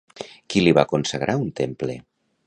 Qui li va consagrar un temple?